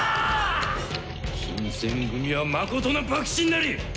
新選組は誠の幕臣なり！